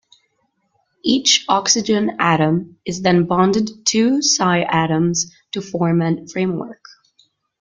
Each oxygen atom is then bonded to two Si atoms to form a framework.